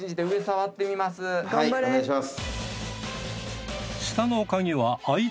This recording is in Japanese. はいお願いします。